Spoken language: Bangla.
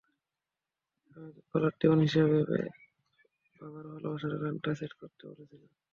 আমি ওকে কলার টিউন হিসাবে বাবার ভালবাসার গানটা সেট করতে বলেছিলাম।